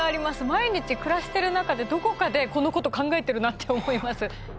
毎日暮らしてる中でどこかでこのこと考えてるなって思います。